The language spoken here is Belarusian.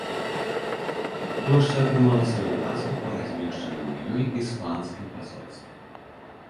Плошча атрымала сваю назву па размешчаным на ёй іспанскім пасольстве.